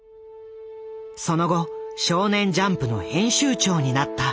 その後少年ジャンプの編集長になった。